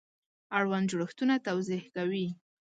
اړوند جوړښتونه توضیح کوي.